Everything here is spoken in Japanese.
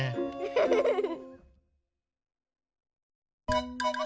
フフフフ。